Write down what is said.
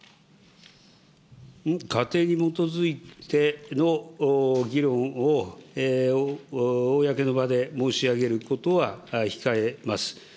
仮定に基づいての議論を公の場で申し上げることは控えます。